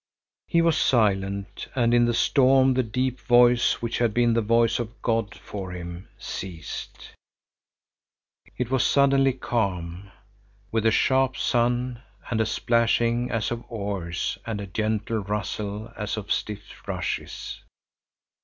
He was silent, and in the storm the deep voice, which had been the voice of God for him, ceased. It was suddenly calm, with a sharp sun and a splashing as of oars and a gentle rustle as of stiff rushes.